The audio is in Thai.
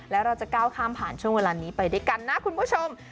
แล้วเราจะก้าวข้ามผ่านช่วงเวลานี้ไปด้วยกันนะคุณผู้ชม